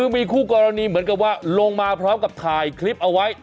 นี่คุณชิสาค่ะ